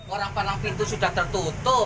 orang palang pintu sudah tertutup